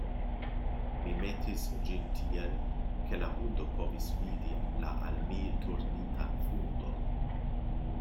Mi metis ĝin tiel, ke la hundo povis vidi la al mi turnitan fundon.